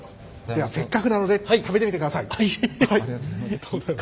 ではせっかくなので食べてみてください！